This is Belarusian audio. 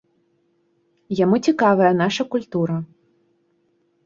Яму цікавая наша культура.